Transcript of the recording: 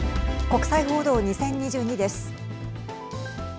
国際報道２０２２です。